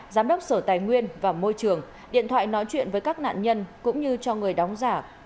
giám đốc sở tài nguyên và môi trường điện thoại nói chuyện với các nạn nhân cũng như cho người đóng giả